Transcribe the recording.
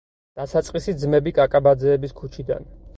დასაწყისი ძმები კაკაბაძეების ქუჩიდან.